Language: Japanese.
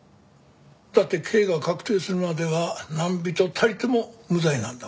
だって刑が確定するまでは何人たりとも無罪なんだもんね。